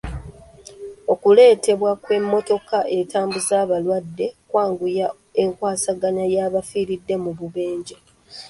Okuleetebwa kw'emmotoka etambuza abalwadde kwanguya enkwasaganya y'abafiiridde mu bubenje.